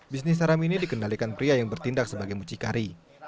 bisnis haram ini dikendalikan pria yang bertindak sebagai mucikari